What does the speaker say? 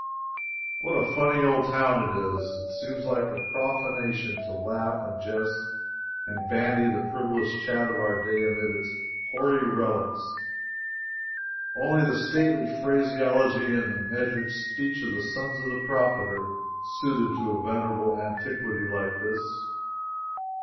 What a funny old town it is! It seems like profanation to laugh and jest and bandy the frivolous chat of our day amid its hoary relics. Only the stately phraseology and the measured speech of the sons of the Prophet are suited to a venerable antiquity like this.